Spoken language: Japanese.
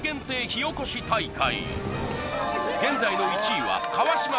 火おこし大会